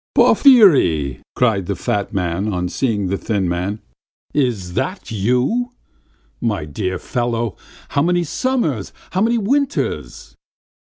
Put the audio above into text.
"Porfiry," cried the fat man on seeing the thin man. "Is it you? My dear fellow! How many summers, how many winters!"